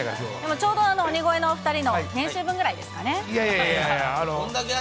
ちょうど鬼越のお２人の年収分ぐらいですかね。